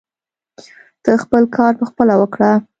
ته خپل کار پخپله وکړه.